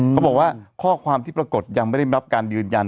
เขาบอกว่าข้อความที่ปรากฏยังไม่ได้รับการยืนยัน